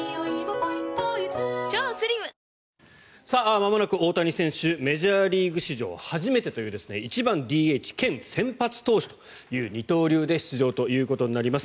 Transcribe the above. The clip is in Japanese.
まもなく大谷選手メジャーリーグ史上初めてという１番ＤＨ兼先発投手という二刀流で出場ということになります。